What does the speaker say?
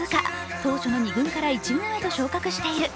当初の２軍から１軍へと昇格している。